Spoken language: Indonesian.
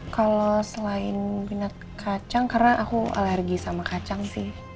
kalau selain minat kacang karena aku alergi sama kacang sih